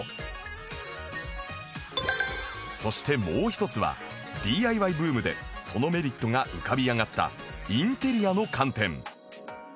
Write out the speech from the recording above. そしてもう一つは ＤＩＹ ブームでそのメリットが浮かび上がったインテリアの観点